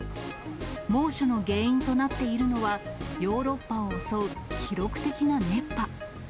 猛暑の原因となっているのは、ヨーロッパを襲う記録的な熱波。